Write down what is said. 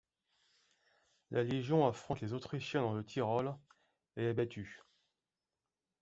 La Légion affronte les Autrichiens dans le Tyrol et est battue.